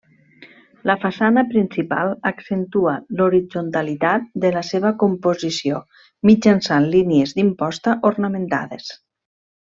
La façana principal accentua l'horitzontalitat de la seva composició mitjançant línies d'imposta ornamentades.